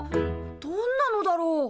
どんなのだろう？